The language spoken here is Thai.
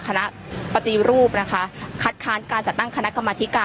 คณะปฏิรูปนะคะคัดค้านการจัดตั้งคณะกรรมธิการ